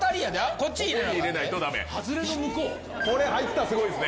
これいったらすごいですね。